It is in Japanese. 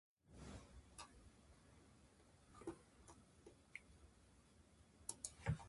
はは、ミッキーだよ